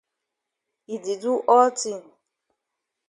E di do all tin.